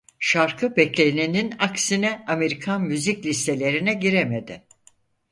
Şarkı beklenenin aksine Amerikan müzik listelerine giremedi.